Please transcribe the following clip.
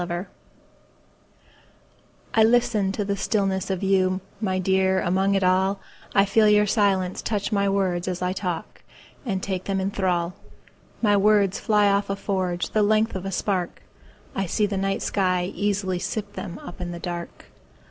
Listening I LISTEN to the stillness of you, My dear, among it all;I feel your silence touch my words as I talk, And take them in thrall.My words fly off a forgeThe length of a spark;I see the night sky easily sip themUp in the dark.